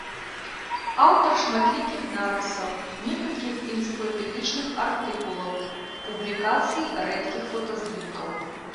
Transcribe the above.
Аўтар шматлікіх нарысаў, некалькіх энцыклапедычных артыкулаў, публікацый рэдкіх фотаздымкаў.